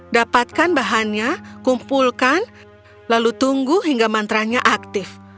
dapatkan bahannya kumpulkan lalu tunggu hingga mantra nya aktif